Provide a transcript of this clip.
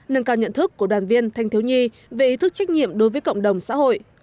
nâng cao nhận thức của đoàn viên thanh thiếu nhi về ý thức trách nhiệm đối với cộng đồng xã hội